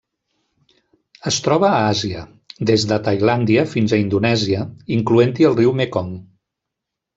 Es troba a Àsia: des de Tailàndia fins a Indonèsia, incloent-hi el riu Mekong.